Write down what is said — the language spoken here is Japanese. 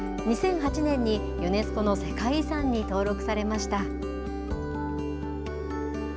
２００８年にユネスコの世界遺産に登録されました。